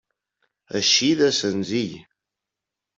Així de senzill.